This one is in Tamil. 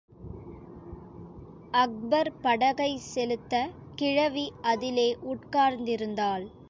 அக்பர் படகைச் செலுத்த, கிழவி அதிலே உட்கார்ந்திருந்தாள்.